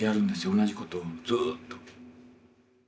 同じことをずーっと。